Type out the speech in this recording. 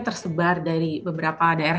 tersebar dari beberapa daerah